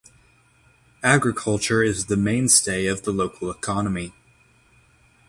Agriculture is the mainstay of the local economy.